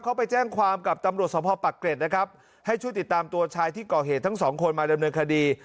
เขาไปแจ้งความกับตำรวจสมภาพปักเกร็ดนะครับให้ช่วยติดตามตัวชายที่ก่อเหตุทั้งสองคนมาดำเนินคดี